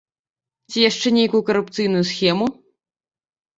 Ці яшчэ нейкую карупцыйную схему?